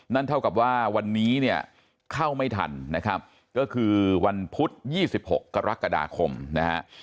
เท่ากับว่าวันนี้เนี่ยเข้าไม่ทันนะครับก็คือวันพุธ๒๖กรกฎาคมนะฮะ